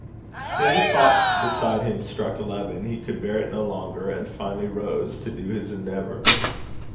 When the clock beside him struck eleven, he could bear it no longer, and finally rose to do his endeavour.